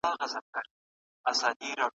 ثمرګل په خپله پیاله کې د سهار چای وڅښلو.